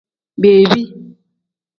Bebi.